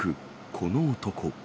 この男。